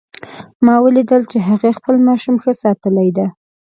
ما ولیدل چې هغې خپل ماشوم ښه ساتلی ده